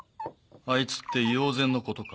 あいつって猪王山のことか？